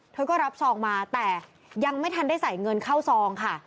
เธอก็รับซองมาแต่ยังไม่ทันได้ใส่เงินเข้าซองค่ะ